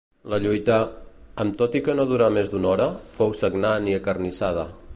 La lluita, amb tot i que no durà més d'una hora, fou sagnant i acarnissada.